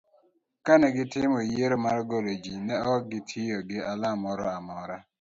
kane gitimo yiero mar golo jii, ne ok gitiyo gi alama moro amor